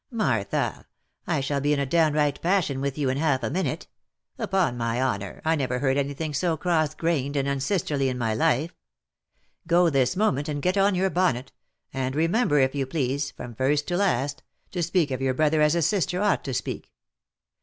" Martha ! I shall be in a downright passion with you in half a minute. Upon my honour I never heard any thing so cross grained and unsisterly in my life. Go this moment, and get on your bonnet, and remember if you please, from first to last, to speak of your brother as a sister ought to speak.